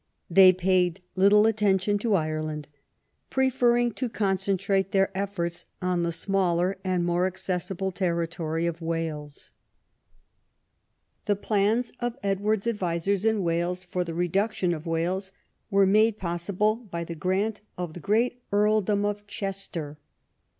They paid little attention to Ireland, preferring to concentrate their efforts on the smaller and more accessible territory of Wales. 16 EDWARD I CHAP. The plans of Edward's advisers in Wales for the reduction of Wales were made possible by the grant of the great earldom of Chester.